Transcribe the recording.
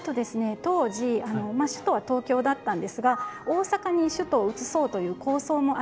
当時首都は東京だったんですが大阪に首都を移そうという構想もありまして。